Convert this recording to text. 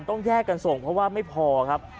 ต้องแยกกันส่งเพราะว่าไม่พอครับ